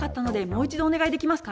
もう一度お願いします。